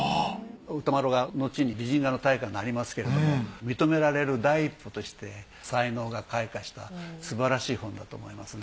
歌麿が後に美人画の大家になりますけれども認められる第一歩として才能が開花したすばらしい本だと思いますね。